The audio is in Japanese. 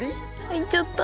行っちゃった。